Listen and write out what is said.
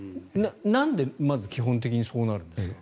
なんでまず基本的にそうなるんですか。